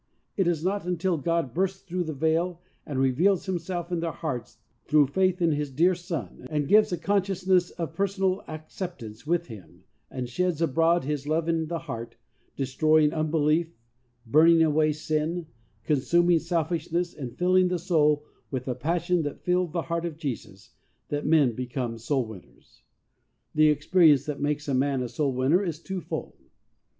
It is not until God bursts through the veil and reveals Himself in their hearts through faith in His dear Son, and gives a consciousness of personal ac ceptance with Him, and sheds abroad His love in the heart, destroying unbelief, burn ing away sin, consuming selfishness, and filling the soul with the passion that filled the heart of Jesus, that men become soul winners. The experience that makes a man a soul winner is two fold.